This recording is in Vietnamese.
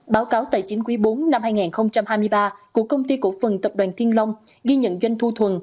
báo cáo tài chính quý bốn năm hai nghìn hai mươi ba của công ty cổ phần tập đoàn thiên long ghi nhận doanh thu thuần